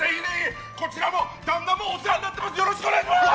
こちらも旦那もお世話になっております！